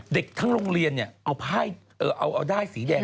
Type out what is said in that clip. เด็กทั้งโรงเรียนเนี่ยเอาด้ายสีแดง